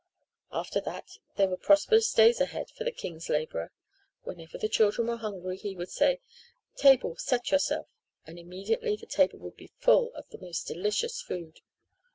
After that there were prosperous days indeed for the king's laborer. Whenever the children were hungry, he would say: "Table, set yourself," and immediately the table would be full of the most delicious food.